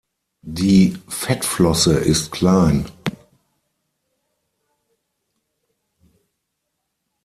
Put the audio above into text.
Die Fettflosse ist klein.